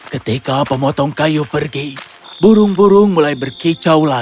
ketika pemotong kayu pergi burung burung mulai berkicau lagi